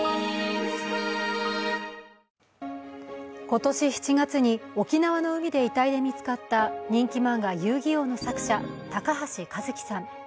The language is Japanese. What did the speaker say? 今年７月に沖縄の海で遺体で見つかった人気漫画「遊戯王」の作者高橋和希さん。